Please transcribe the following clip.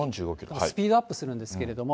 スピードアップするんですけれども。